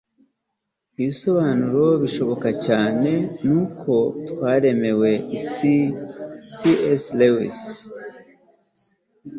ibisobanuro bishoboka cyane ni uko twaremewe isi - c s lewis